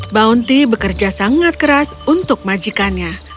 bounty bekerja sangat keras untuk majikannya